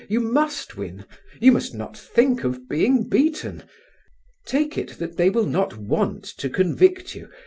"You must win: you must not think of being beaten. Take it that they will not want to convict you.